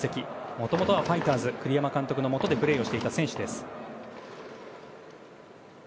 もともとはファイターズ栗山監督のもとでプレーしていた選手です。